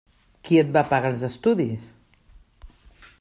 Qui et va pagar els estudis?